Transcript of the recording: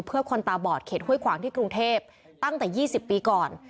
เพื่อคนตาบอดเขตห้วยขวางที่กรุงเทพตั้งแต่๒๐ปีก่อน